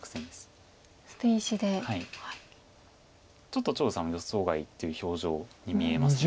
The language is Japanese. ちょっと張栩さん予想外という表情に見えます